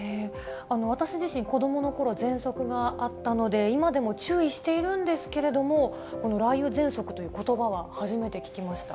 私自身、子どものころ、ぜんそくがあったので、今でも注意しているんですけれども、この雷雨ぜんそくということばは初めて聞きました。